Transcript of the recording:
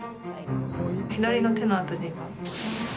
左の手の辺りが。